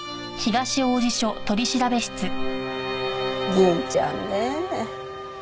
銀ちゃんねえ。